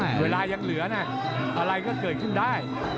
เวลายังเหลือนะอะไรก็เกิดขึ้นได้